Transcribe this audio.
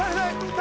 誰？